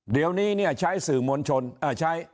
เรียวนี้ใช่สื่อมวลชนน่ะ